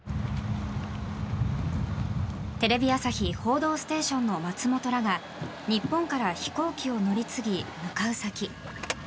テレビ朝日「報道ステーション」の松本らが日本から飛行機を乗り継ぎ向かう先